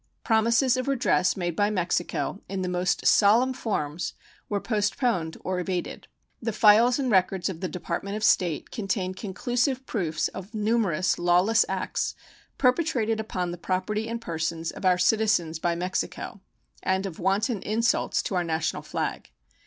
Promises of redress made by Mexico in the most solemn forms were postponed or evaded. The files and records of the Department of State contain conclusive proofs of numerous lawless acts perpetrated upon the property and persons of our citizens by Mexico, and of wanton insults to our national flag.